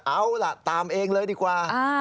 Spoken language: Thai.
เอาล่ะตามเองเลยดีกว่า